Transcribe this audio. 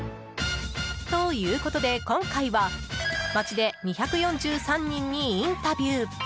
ということで、今回は街で２４３人にインタビュー。